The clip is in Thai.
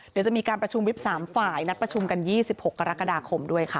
เดี๋ยวจะมีการประชุมวิบ๓ฝ่ายนัดประชุมกัน๒๖กรกฎาคมด้วยค่ะ